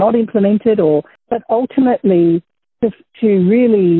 anda tidak akan menunggu hotline keamanan nasional